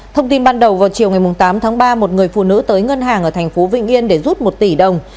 thông tin ban đầu vào chiều ngày tám tháng ba một người phụ nữ tới ngân hàng ở thành phố vĩnh yên để rút một tỷ đồng